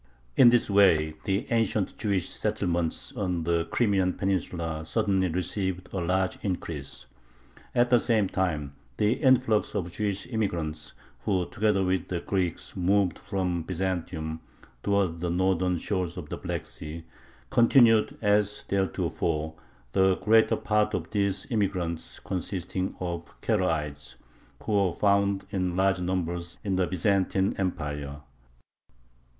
In this way the ancient Jewish settlements on the Crimean Peninsula suddenly received a large increase. At the same time the influx of Jewish immigrants, who, together with the Greeks, moved from Byzantium towards the northern shores of the Black Sea, continued as theretofore, the greater part of these immigrants consisting of Karaites, who were found in large numbers in the Byzantine Empire.